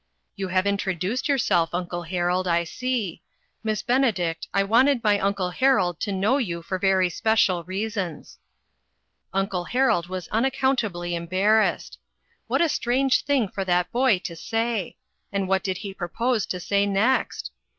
"You have introduced yourself, Uncle Harold, I see. Miss Benedict, I wanted my Uncle Harold to know you for very special reasons." Uncle Harold was unaccountably embar rassed. What a strange thing for that boy to say ! and what did he propose to say next?